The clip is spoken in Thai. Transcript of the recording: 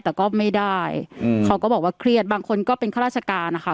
แต่ก็ไม่ได้เขาก็บอกว่าเครียดบางคนก็เป็นข้าราชการนะคะ